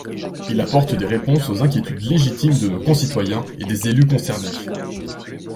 Il apporte des réponses aux inquiétudes légitimes de nos concitoyens et des élus concernés.